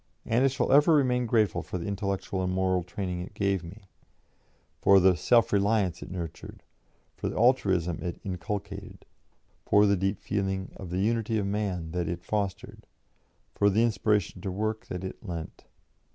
And I shall ever remain grateful for the intellectual and moral training it gave me, for the self reliance it nurtured, for the altruism it inculcated, for the deep feeling of the unity of man that it fostered, for the inspiration to work that it lent.